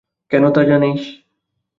কেন তা জানিস?